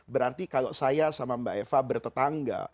berarti kalau saya sama mbak eva bertetangga